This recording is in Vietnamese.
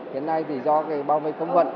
hiện nay thì do cái bao vây công vận